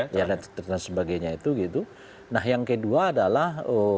yang kedua adalah pada saat yang bersamaan